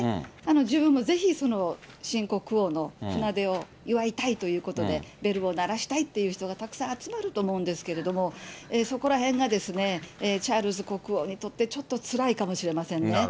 自分もぜひ、新国王の船出を祝いたいということで、ベルを鳴らしたいという人がたくさん集まると思うんですけれども、そこらへんがチャールズ国王にとってちょっとつらいかもしれませんね。